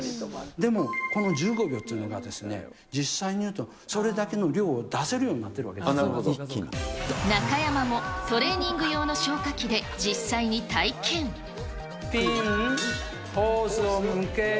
でもこの１５秒っていうのがですね、実際に言うと、それだけの量を出せるようになっているわ中山も、トレーニング用の消ピン、ホースを向ける。